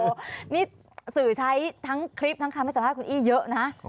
โอ้โหนี่สื่อใช้ทั้งคลิปทั้งคำให้สวัสดีคุณอี้เยอะนะ